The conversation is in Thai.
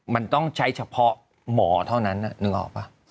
มันต้องใช้เฉพาะหมอเท่านั้นนึกออกป่ะ